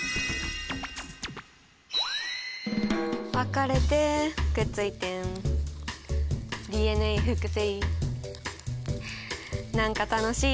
分かれてくっついてＤＮＡ複製何か楽しい。